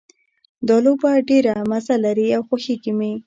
دا لوبه ډېره مزه لري او خوښیږي مې